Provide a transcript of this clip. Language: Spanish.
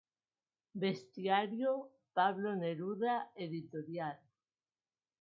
Bestiario- Pablo Neruda Ed.